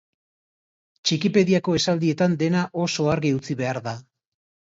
Txikipediako esaldietan dena oso argi utzi behar da.